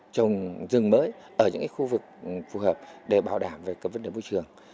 trồng rừng mới ở những cái khu vực phù hợp để bảo đảm về các vấn đề môi trường